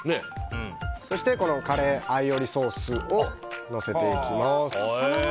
そしてカレーアイオリソースをのせていきます。